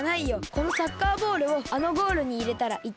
このサッカーボールをあのゴールにいれたら１てん。